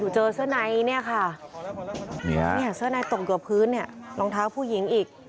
เจอเสื้อในเนี่ยค่ะเสื้อในตกอยู่กับพื้นเนี่ยรองเท้าผู้หญิงอีก